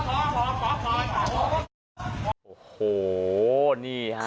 โอ้โหนี่ฮะ